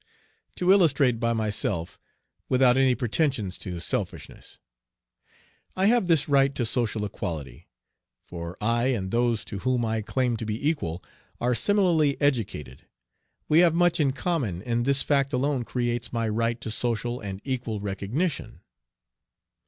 To illustrate by myself, without any pretensions to selfishness. I have this right to social equality, for I and those to whom I claim to be equal are similarly educated. We have much in common, and this fact alone creates my right to social and equal recognition.